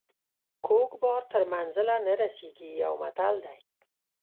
کوږ بار تر منزله نه رسیږي یو متل دی.